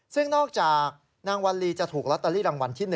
ซึ่งนอกจากนางวันลีจะถูกลอตเตอรี่รางวัลที่๑